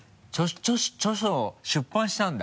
「著書」出版したんだ。